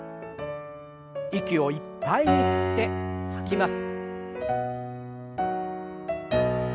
息をいっぱいに吸って吐きます。